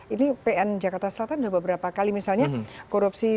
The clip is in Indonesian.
ini pn jakarta selatan sudah beberapa kali misalnya korupsi